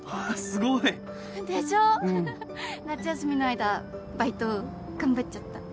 夏休みの間バイト頑張っちゃった。